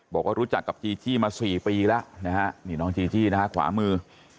บอกว่ารู้จักกับจีจี้มา๔ปีแล้วนะฮะนี่น้องจีจี้นะฮะขวามือ